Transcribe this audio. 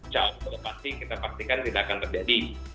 jauh sudah pasti kita pastikan tidak akan terjadi